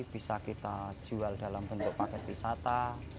bisa kita jual dalam bentuk paket wisata